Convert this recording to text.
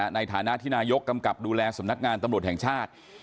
ในฐานะที่นายกกำกับดูแลสำนักงานตำรวจแห่งชาติ